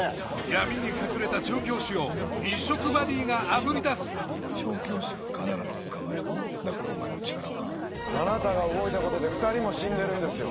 闇に隠れた調教師を異色バディがあぶり出す調教師は必ず捕まえるだからお前も力を貸せあなたが動いたことで２人も死んでるんですよ